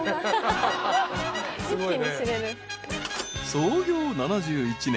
［創業７１年。